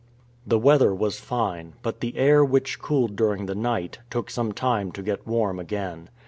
The weather was fine, but the air, which cooled during the night, took some time to get warm again.